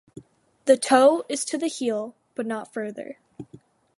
The toe is to the heel, but not further.